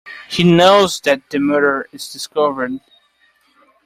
He knows that the murder is discovered.